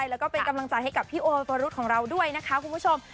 แล้วก็เป็นกำลังใจให้กับพี่โอวรุษของเราด้วยนะคะคุณผู้ชม